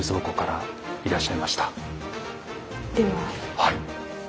はい。